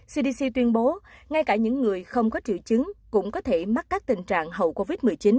cdc tuyên bố ngay cả những người không có triệu chứng cũng có thể mắc các tình trạng hậu covid một mươi chín